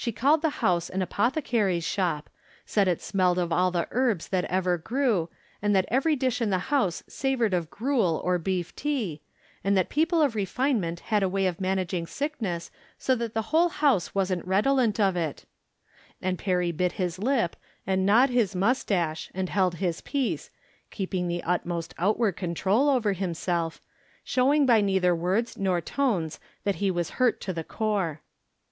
195 called the house an apothecary's shop ; said it smelled of all the herbs that ever grew, and that every dish in the house savored of gruel or beef tea, and that people of refinement had a way of managing sickness so that the whole house wasn't redolent of it ; and Perry bit his lip, and gnawed his moustache, and held his peace, keeping the utmost outward control over himself, showing by neither words nor tones that he was hurt to the core.